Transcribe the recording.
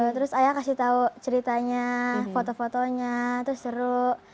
terus ayah kasih tahu ceritanya foto fotonya terus seru